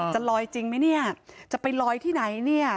จะลอยจริงไหมเนี่ยจะไปลอยที่ไหนเนี่ย